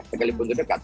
sekalipun itu dekat